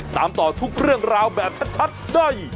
ตามต่อทุกเรื่องราวแบบชัดได้